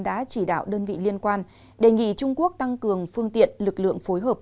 đã chỉ đạo đơn vị liên quan đề nghị trung quốc tăng cường phương tiện lực lượng phối hợp